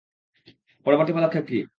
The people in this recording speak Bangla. পরবর্তী পদক্ষেপ কী?